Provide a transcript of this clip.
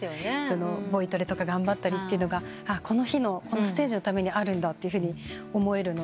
ボイトレとか頑張ったりというのがこの日のこのステージのためにあるんだって思えるので。